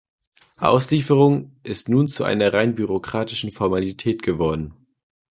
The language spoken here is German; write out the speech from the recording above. Auslieferung ist nun zu einer rein bürokratischen Formalität geworden.